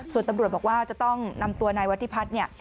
ส่วนตำรวจบอกว่าจะต้องนำตัวนายวัฒิพัฒน์เนี่ย